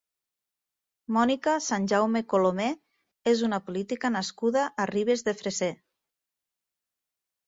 Mònica Sanjaume Colomer és una política nascuda a Ribes de Freser.